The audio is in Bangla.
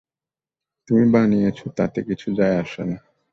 তুমি বানিয়েছ, তাতে কিছু যায় আসে না।